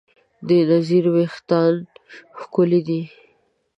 د نذیر وېښتیان ښکلي دي.